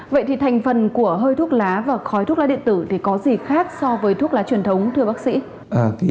vậy thì thành phần của hơi thuốc lá và khói thuốc lá điện tử thì có gì khác so với thuốc lá truyền thống thưa bác sĩ